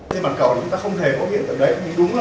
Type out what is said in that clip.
trên mặt cầu chúng ta không thể có hiện tượng đấy